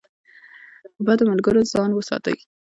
له بدو ملګرو ځان وساتئ.